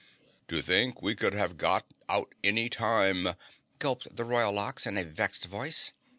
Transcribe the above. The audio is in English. "To think, to think we could have got out any time!" gulped the Royal Ox in a vexed voice.